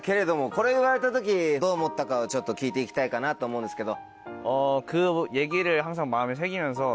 これ言われた時どう思ったかを聞いて行きたいと思うんですけど。